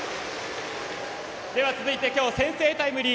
では、続いて今日先制タイムリー